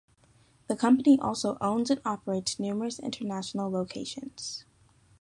The company also owns and operates numerous international locations.